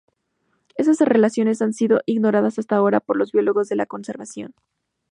Esas relaciones han sido ignoradas hasta ahora por los biólogos de la conservación.